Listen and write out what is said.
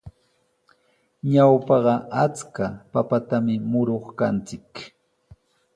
Ñawpaqa achka papatami muruq kanchik.